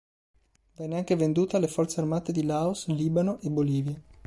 Venne anche venduta alle forze armate di Laos, Libano e Bolivia.